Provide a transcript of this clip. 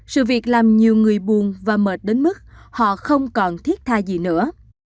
sự việc làm nhiều người buồn và mệt đến mức họ không còn thiết tha gì nữa